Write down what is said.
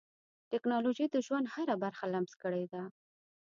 ټکنالوجي د ژوند هره برخه لمس کړې ده.